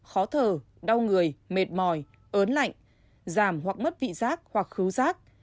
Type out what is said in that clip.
khó thở đau người mệt mỏi ớn lạnh giảm hoặc mất vị giác hoặc khứ giác